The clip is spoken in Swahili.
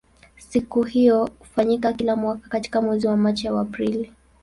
Siku hiyo hufanyika kila mwaka katika mwezi wa Machi au Aprili.